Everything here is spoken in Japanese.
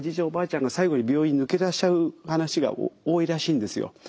おばあちゃんが最後に病院抜け出しちゃう話が多いらしいんですよ。